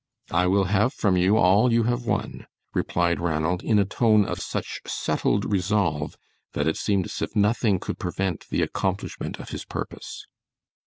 "I will have from you all you have won," replied Ranald, in a tone of such settled resolve that it seemed as if nothing could prevent the accomplishment of his purpose.